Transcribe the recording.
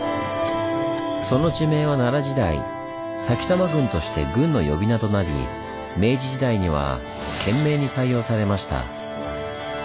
その地名は奈良時代「埼玉郡」として郡の呼び名となり明治時代には県名に採用されました。